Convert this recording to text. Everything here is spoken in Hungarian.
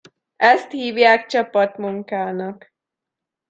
Ezt hívják csapatmunkának.